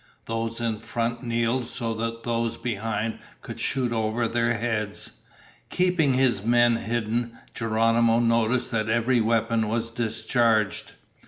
Those in front kneeled so that those behind could shoot over their heads. Keeping his men hidden, Geronimo noticed that every weapon was discharged.